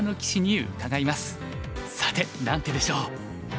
さて何手でしょう？